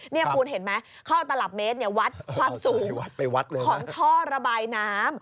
นี่คุณเห็นไหมเข้าตลับเมตรเนี่ยวัดความสูงของท่อระบายน้ำ